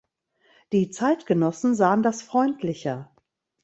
Die Zeitgenossen sahen das freundlicher.